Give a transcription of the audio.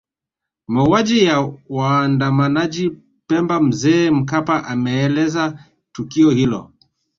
Mauaji ya waandamanaji Pemba Mzee Mkapa ameeleza tukio hilo